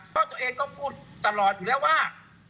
เพราะตัวเองก็พูดตลอดอยู่แล้วว่า